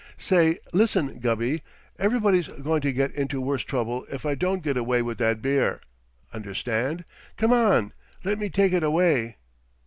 Say, listen, Gubby! Everybody's goin' to get into worse trouble if I don't get away with that beer. Understand? Come on! Let me take it away!"